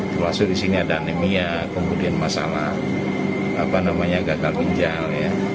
terus disini ada anemia kemudian masalah gagal ginjal